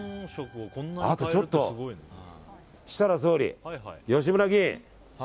あとちょっと、設楽総理吉村議員。